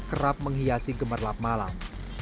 kerap menghiasi gemerlap malam